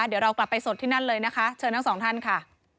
เดี๋ยวเรากลับไปสดที่นั่นเลยนะคะเชิญทั้งสองท่านค่ะ